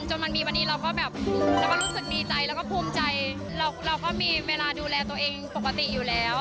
จนมันมีวันนี้เราก็แบบเราก็รู้สึกดีใจแล้วก็ภูมิใจเราก็มีเวลาดูแลตัวเองปกติอยู่แล้ว